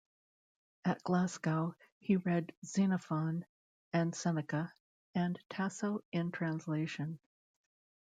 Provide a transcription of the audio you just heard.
At Glasgow, he read Xenophon and Seneca, and Tasso in translation.